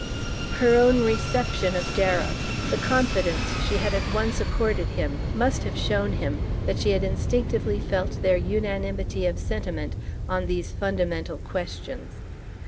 Her own reception of Darrow, the confidence she had at once accorded him, must have shown him that she had instinctively felt their unanimity of sentiment on these fundamental questions.